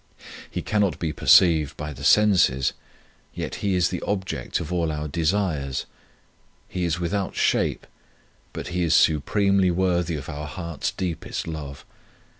He cannot be perceived by the senses, yet He is the object of all our desires ; He is without shape, but He is supremely worthy of our heart s deepest love.